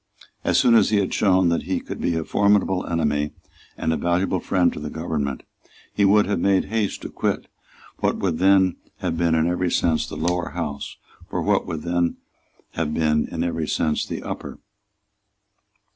As soon as he had shown that he could be a formidable enemy and a valuable friend to the government, he would have made haste to quit what would then have been in every sense the Lower House for what would then have been in every sense the Upper.